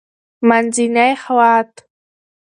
-منځنی خوات: